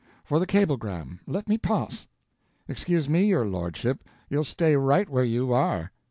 "For the cablegram. Let me pass." "Excuse me, your lordship, you'll stay right where you are."